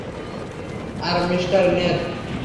আর Mr নের।